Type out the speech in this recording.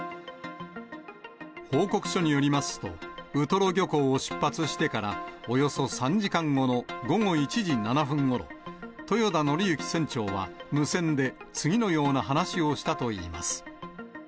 報告書によりますと、ウトロ漁港を出発してからおよそ３時間後の午後１時７分ごろ、豊田徳幸船長は無線で、次のような話をしたといいます。